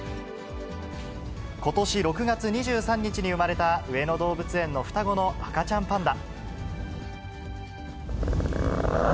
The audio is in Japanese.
ことし６月２３日に産まれた上野動物園の双子の赤ちゃんパンダ。